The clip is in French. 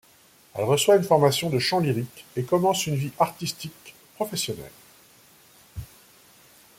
Elle reçoit une formation de chant lyrique et commence une vie artistique professionnelle.